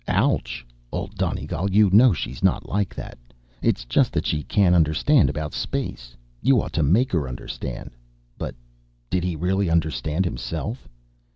Ouch! Old Donegal, you know she's not like that. It's just that she can't understand about space. You ought to make her understand. But did he really understand himself?